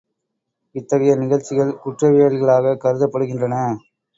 இத்தகைய நிகழ்ச்சிகள் குற்றவியல்களாகக் கருதப்படுகின்றன.